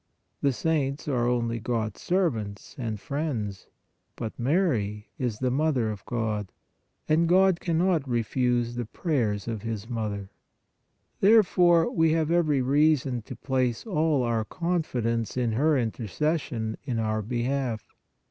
The saints are only God s servants and friends ; but Mary is the Mother of God, and God cannot refuse the prayers of His 66 PRAYER Mother. Therefore, we have every reason to place all our confidence in her intercession in our behalf.